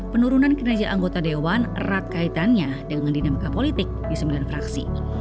penurunan kinerja anggota dewan erat kaitannya dengan dinamika politik di sembilan fraksi